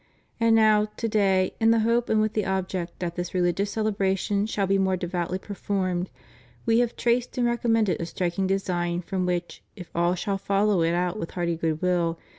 And now, to day in the hope and with the object that this religious celebration shall be more devoutly performed, We have traced and recommended a striking design from which, if all shall follow it out with hearty good will.